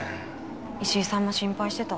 石井さんも心配してた。